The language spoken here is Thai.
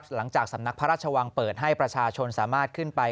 สำนักพระราชวังเปิดให้ประชาชนสามารถขึ้นไป